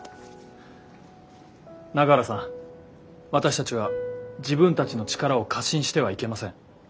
永浦さん私たちは自分たちの力を過信してはいけません。